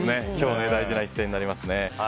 今日大事な一戦になりますね。